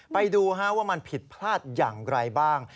ไปดูว่ามันผิดพลาดอย่างไรบ้าง